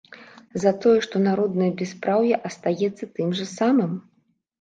За тое, што народнае бяспраўе астаецца тым жа самым?